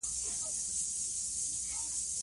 ټيک ده، بيا به خبرې وکړو